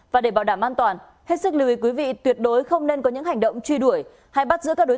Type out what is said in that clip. và để bảo đảm an toàn hết sức lưu ý quý vị tuyệt đối không nên có những hành động truy đuổi hay bắt giữ các đối tượng